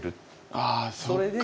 あそっか。